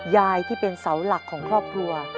ยายที่เป็นเสาหลักของครอบครัว